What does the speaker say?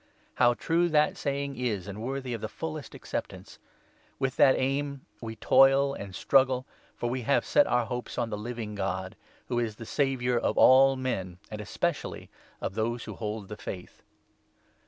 How true that saying is and worthy of 9 the fullest acceptance ! With that aim we toil and struggle, 10 for we have set our hopes on the Living God, who is the Saviour of all men, and especially of those who hold the Faith.